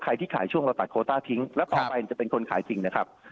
ที่ขายช่วงเราตัดโคต้าทิ้งแล้วต่อไปจะเป็นคนขายจริงนะครับ